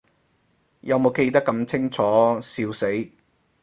有無記得咁清楚，笑死